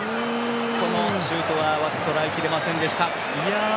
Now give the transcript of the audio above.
このシュートは枠とらえきれませんでした。